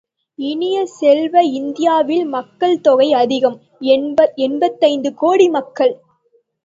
இனிய செல்வ, இந்தியாவில் மக்கள் தொகை அதிகம், எண்பத்தைந்து கோடி மக்கள்.